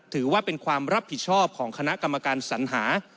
ถือว่าเป็นความรับผิดชอบของคณะกรรมการสัญหา